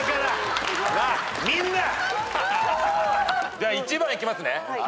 じゃあ１番いきますね。